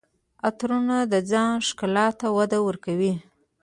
عطرونه د ځان ښکلا ته وده ورکوي.